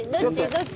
どっち？